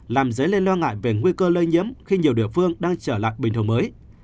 làm dấy lên lo ngại về nguy cơ lây nhiễm khi nhiều địa phương đang trở lạc bình thường mới